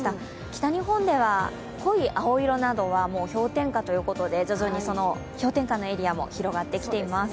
北日本では、濃い青色などは氷点下ということで徐々にその氷点下のエリアも広がってきています。